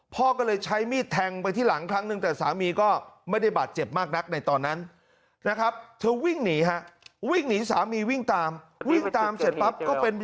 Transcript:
พ่อก็เลยใช้มีดแทงไปที่หลังครั้งนึงแต่สามีก็ไม่ได้บาดเจ็บมากนักในตอนนั้นนะครับ